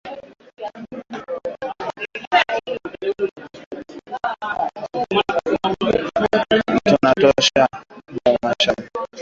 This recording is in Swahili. Tuna tosha mu mashamba minji ya ku toboka